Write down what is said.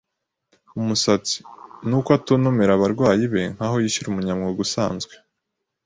umusatsi; nuko atontomera abarwayi be nkaho yishyura umunyamwuga usanzwe